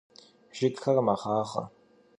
Jjıgxer meğağe.